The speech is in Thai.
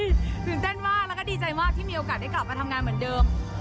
ตื่นเต้นมากแล้วก็ดีใจมากที่มีโอกาสได้กลับมาทำงานเหมือนเดิม